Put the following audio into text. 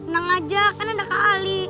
tenang aja kan ada kak ali